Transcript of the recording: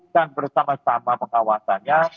kita lakukan bersama sama pengawasannya